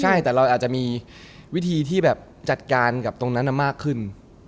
ใช่แต่เราอาจจะมีวิธีที่แบบจัดการกับตรงนั้นมากขึ้น